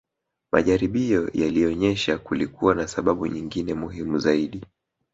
Majaribio yalionyesha kulikuwa na sababu nyingine muhimu zaidi